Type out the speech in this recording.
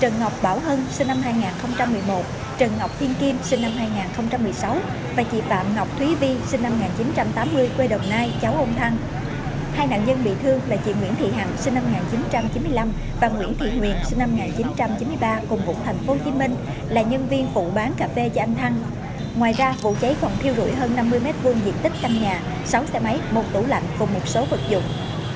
ngoài ra vụ cháy phòng thiêu rủi hơn năm mươi m hai diện tích căn nhà sáu xe máy một tủ lạnh cùng một số vật dụng